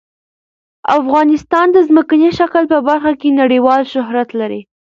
افغانستان د ځمکنی شکل په برخه کې نړیوال شهرت لري.